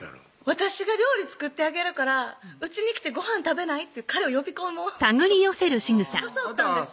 「私が料理作ってあげるからうちに来てごはん食べない？」って彼を呼び込もうと思って誘ったんです